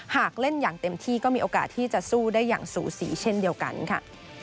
หากเล่นอย่างเต็มที่ก็มีโอกาสที่จะสู้ได้อย่างสูสีเช่นเดียวกันค่ะ